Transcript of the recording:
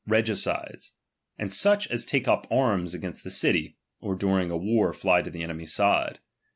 regicides, and such as take up arms against the TT" city, or during a war fly to the enemy's side.